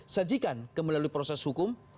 sajikan melalui proses hukum